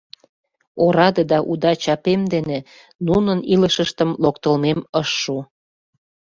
Ораде да уда чапем дене нунын илышыштым локтылмем ыш шу.